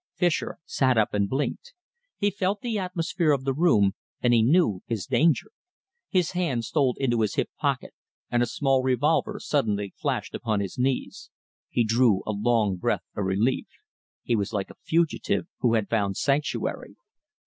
Fischer sat up and blinked. He felt the atmosphere of the room, and he knew his danger. His hand stole into his hip pocket, and a small revolver suddenly flashed upon his knees. He drew a long breath of relief. He was like a fugitive who had found sanctuary.